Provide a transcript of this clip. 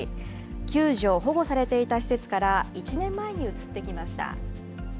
救助・保護されていた施設から１年前に移ってきました。